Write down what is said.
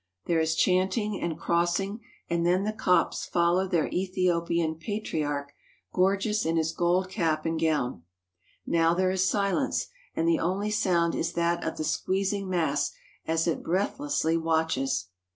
There is chanting and crossing, and then the Copts follow their Ethiopian Patriarch, gorgeous in his gold cap and gown. Now there is silence, and the only sound is that of the squeezing mass as it breath lessly watches.